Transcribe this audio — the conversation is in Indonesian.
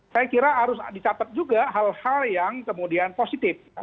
saya kira harus dicatat juga hal hal yang kemudian positif